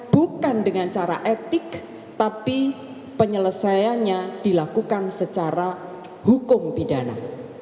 bukan dengan cara etik tapi penyelesaiannya dilakukan secara hukum pidana